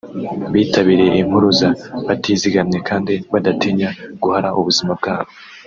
bitabiriye impuruza batizigamye kandi badatinya guhara ubuzima bwabo